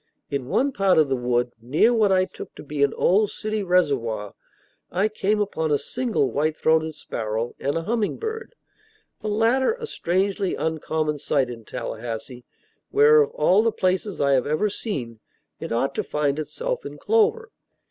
In one part of the wood, near what I took to be an old city reservoir, I came upon a single white throated sparrow and a humming bird, the latter a strangely uncommon sight in Tallahassee, where, of all the places I have ever seen, it ought to find itself in clover.